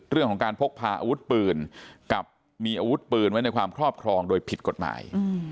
เรื่องของการพกพาอาวุธปืนกับมีอาวุธปืนไว้ในความครอบครองโดยผิดกฎหมาย